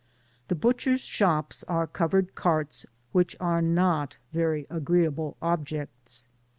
The butchers' shops are covered carts^ which are not very agreeable objects.